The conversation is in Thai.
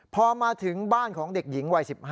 พอมาถึงบ้านของเด็กหญิงวัย๑๕